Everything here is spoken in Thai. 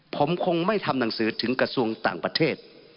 ผมคงไม่ทำหนังสือถึงกระทรวงต่างประเทศ